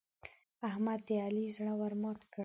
احمد د علي زړه ور مات کړ.